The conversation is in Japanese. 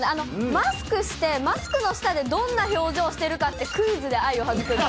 マスクして、マスクの下でどんな表情をしてるかってクイズで愛を育んだ。